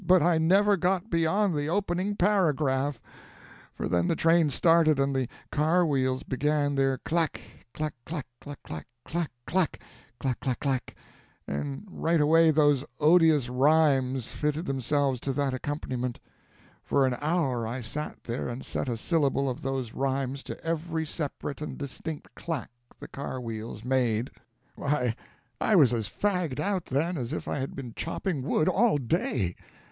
But I never got beyond the opening paragraph; for then the train started and the car wheels began their 'clack, clack clack clack clack! clack clack! clack clack clack!' and right away those odious rhymes fitted themselves to that accompaniment. For an hour I sat there and set a syllable of those rhymes to every separate and distinct clack the car wheels made. Why, I was as fagged out, then, as if I had been chopping wood all day.